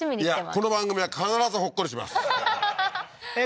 この番組は必ずほっこりしますははははっ